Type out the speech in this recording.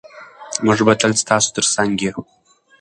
موږ به تل ستاسو ترڅنګ یو.